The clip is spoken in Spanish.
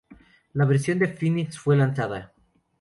La versión de Phoenix fue lanzada.